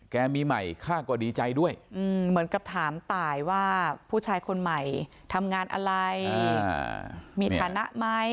มีใหม่ข้าก็ดีใจด้วยเหมือนกับถามตายว่าผู้ชายคนใหม่ทำงานอะไรมีฐานะไหม